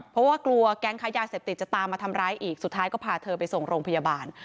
เพราะว่ากลัวแก๊งค้ายาเสพติดจะตามมาทำร้ายอีกสุดท้ายก็พาเธอไปส่งโรงพยาบาล